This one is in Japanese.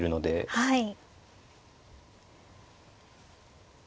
はい。